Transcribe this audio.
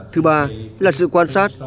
thứ ba là sự quan sát